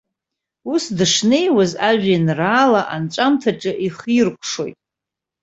Ус дышнеиуаз ажәеинраала анҵәамҭаҿы ихиркәшоит.